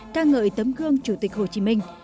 ca ngợi tấm gương chủ tịch hồ chí minh